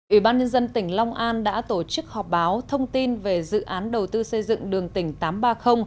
ủy ban nhân dân tỉnh long an đã tổ chức họp báo thông tin về dự án đầu tư xây dựng đường tỉnh tám trăm ba mươi